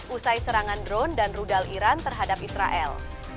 usai serangan drone dan rudal iran terhadap israel